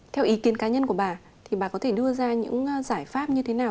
theo ý kiến cá nhân của bà thì bà có thể đưa ra những giải pháp như thế nào